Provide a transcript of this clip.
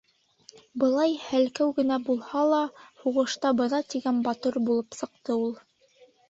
Былай һәлкәү генә булһа ла, һуғышта бына тигән батыр булып сыҡты ул.